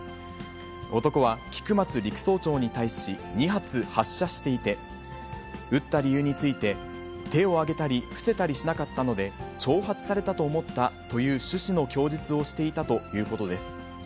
男は菊松陸曹長に対し２発発射していて、撃った理由について、手を上げたり、伏せたりしなかったので、挑発されたと思ったという趣旨の供述をしていたということです。